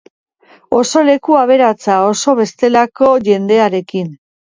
Oso leku aberatsa, oso bestelako jendearekin.